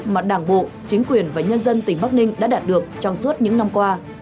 mà đảng bộ chính quyền và nhân dân tỉnh bắc ninh đã đạt được trong suốt những năm qua